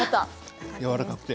やわらかくて。